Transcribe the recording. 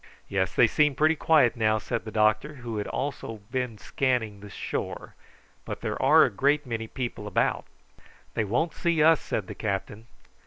"Yes, they seem pretty quiet now," said the doctor, who had also been scanning the shore; "but there are a great many people about." "They won't see us," said the captain.